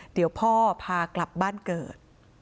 เดี๋ยวพ่อพากลับบ้านเกิด